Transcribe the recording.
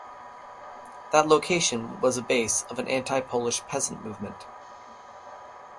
That location was a base of an anti-Polish Peasant movement.